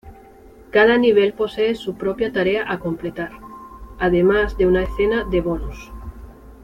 Cada nivel posee su propia tarea a completar, además de una escena de bonus.